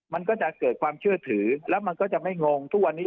มันก็จะเกิดความเชื่อถือแล้วมันก็จะไม่งงทุกวันนี้